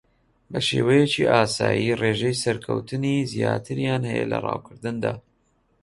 بە شێوەیەکی ئاسایی ڕێژەی سەرکەوتنی زیاتریان ھەیە لە ڕاوکردندا